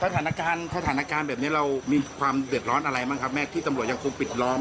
สถานการณ์สถานการณ์แบบนี้เรามีความเดือดร้อนอะไรบ้างครับแม่ที่ตำรวจยังคงปิดล้อม